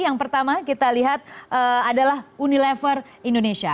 yang pertama kita lihat adalah unilever indonesia